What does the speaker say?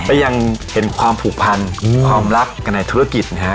ก็ยังเห็นความผูกพันความรักกันในธุรกิจนะฮะ